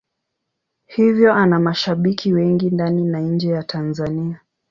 Hivyo ana mashabiki wengi ndani na nje ya Tanzania.